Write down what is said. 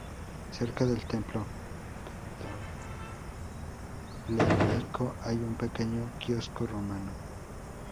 Cerca del templo ptolemaico hay un pequeño quiosco romano.